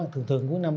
thường thường cuối năm